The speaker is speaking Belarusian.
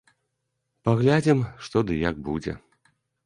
Паглядзім, што ды як будзе.